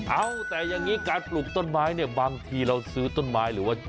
เอาแต่อย่างนี้การปลูกต้นไม้เนี่ยบางทีเราซื้อต้นไม้หรือว่า